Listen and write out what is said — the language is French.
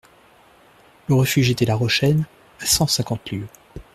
Le refuge était la Rochelle, à cent cinquante lieues.